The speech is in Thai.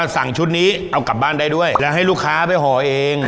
สั่งชุดนี้เอากลับบ้านได้ด้วยแล้วให้ลูกค้าไปห่อเอง